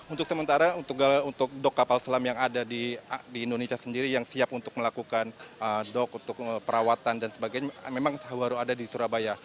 untuk sementara untuk dok kapal selam yang ada di indonesia sendiri yang siap untuk melakukan dok untuk perawatan dan sebagainya memang baru ada di surabaya